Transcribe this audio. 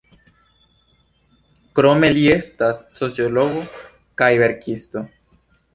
Krome li estas sociologo kaj verkisto.